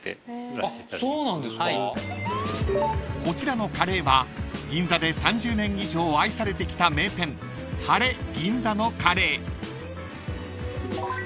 ［こちらのカレーは銀座で３０年以上愛されてきた名店ＨＡＲＥＧＩＮＺＡのカレー］